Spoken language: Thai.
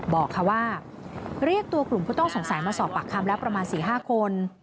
บอกค่ะว่าเรียกตัวกลุ่มผู้ต้องสงสัยมาสอบปากคำแล้วประมาณ๔๕คน